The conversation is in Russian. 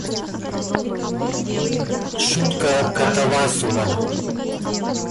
Шутка Катавасова.